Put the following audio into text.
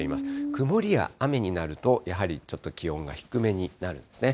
曇りや雨になると、やはりちょっと気温が低めになるんですね。